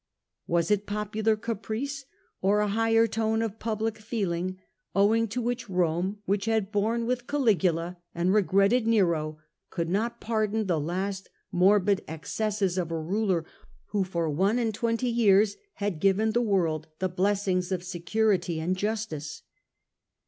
Was it popular caprice or a higher tone of public feeling, owing fo which, Rome, which had borne with Caligula and re gretted Nero, could not pardon the last morbid excesses of a ruler who for one and twenty years had given the world the blessings of security and justice